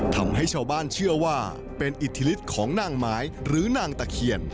ทำให้ชาวบ้านเชื่อว่าเป็นอิทธิฤทธิของนางไม้หรือนางตะเคียน